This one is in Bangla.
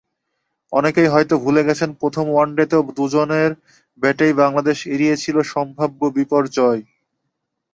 অনেকেই হয়তো ভুলে গেছেন, প্রথম ওয়ানডেতেও দুজনের ব্যাটেই বাংলাদেশ এড়িয়েছিল সম্ভাব্য বিপর্যয়।